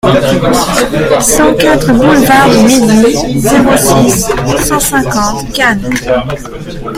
cent quatre boulevard du Midi, zéro six, cent cinquante Cannes